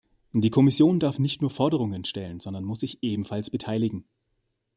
Die Kommission darf nicht nur Forderungen stellen, sondern muss sich ebenfalls beteiligen.